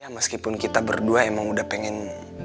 meskipun kita berdua emang udah pengen